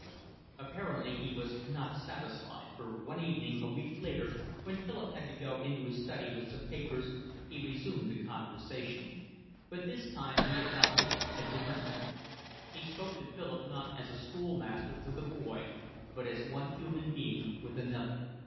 Apparently he was not satisfied, for one evening, a week later, when Philip had to go into his study with some papers, he resumed the conversation; but this time he adopted a different method: he spoke to Philip not as a schoolmaster with a boy but as one human being with another.